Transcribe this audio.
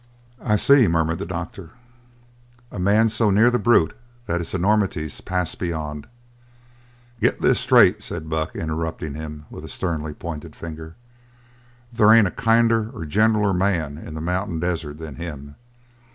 "Ah, I see," murmured the doctor, "a man so near the brute that his enormities pass beyond " "Get this straight," said Buck, interrupting with a sternly pointed finger: "There ain't a kinder or a gentler man in the mountain desert than him.